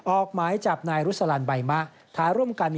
ออกหมายจับนายรุสลานใบมะ